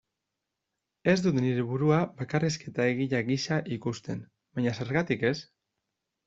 Ez dut nire burua bakarrizketa-egile gisa ikusten, baina zergatik ez?